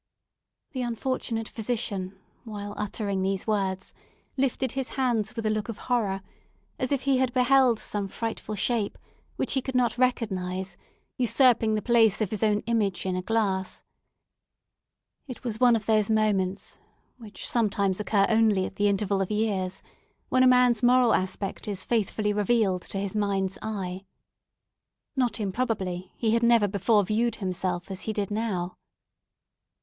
The unfortunate physician, while uttering these words, lifted his hands with a look of horror, as if he had beheld some frightful shape, which he could not recognise, usurping the place of his own image in a glass. It was one of those moments—which sometimes occur only at the interval of years—when a man's moral aspect is faithfully revealed to his mind's eye. Not improbably he had never before viewed himself as he did now.